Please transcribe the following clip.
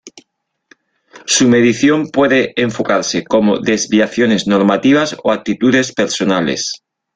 Su medición puede enfocarse como desviaciones normativas o actitudes personales.